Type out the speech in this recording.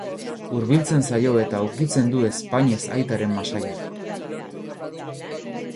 Hurbiltzen zaio eta ukitzen du ezpainez aitaren masaila.